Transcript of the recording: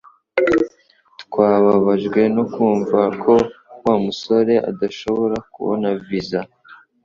Twababajwe no kumva ko Wa musore adashobora kubona visa